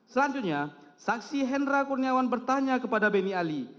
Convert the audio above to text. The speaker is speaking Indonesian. selanjutnya saksi hendra kurniawan bertanya kepada beni ali